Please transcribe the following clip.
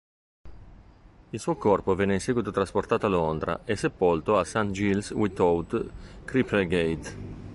Il suo corpo venne in seguito trasportato a Londra e sepolto a St Giles-without-Cripplegate.